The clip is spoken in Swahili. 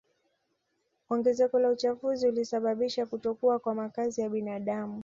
Ongezeko la uchafuzi ulisababisha kutokuwa kwa makazi ya binadamu